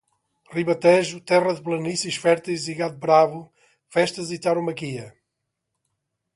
Ribatejo, terra de planícies férteis e gado bravo, festas e tauromaquia.